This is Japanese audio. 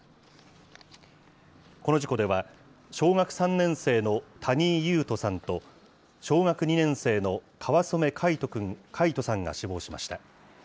この事故では、小学３年生の谷井勇斗さんと小学２年生の川染凱仁さんが死亡しました。